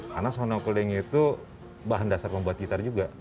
karena sonokling itu bahan dasar membuat gitar juga